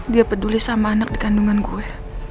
dia peduli sama anak di kandungan gue